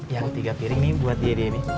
yang tiga piring nih buat dia dia nih